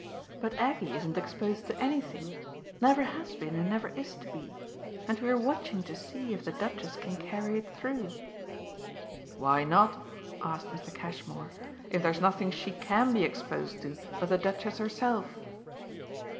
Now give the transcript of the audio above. But Aggie isn't exposed to anything never has been and never is to be; and we're watching to see if the Duchess can carry it through." "Why not," asked Mr. Cashmore, "if there's nothing she CAN be exposed to but the Duchess herself?"